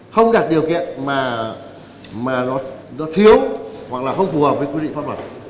không đặt điều kiện mà nó thiếu hoặc là không phù hợp với quy định pháp luật